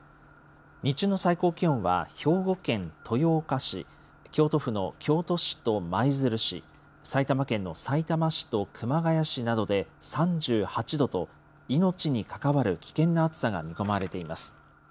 日中の最高気温は、兵庫県豊岡市、京都府の京都市と舞鶴市、埼玉県のさいたま市と熊谷市などで３８度と、命に関わる危険な暑さが見込まれています。